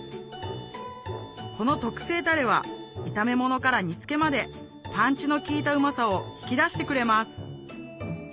この特製タレは炒め物から煮付けまでパンチの利いたうまさを引き出してくれます